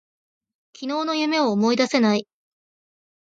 昨日の夢を思い出せない。